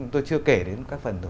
tôi chưa kể đến các phần